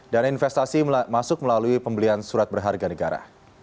dana investasi masuk melalui pembelian surat berharga negara